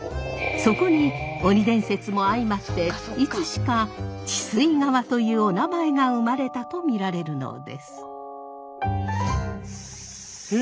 そこに鬼伝説も相まっていつしか血吸川というおなまえが生まれたと見られるのです。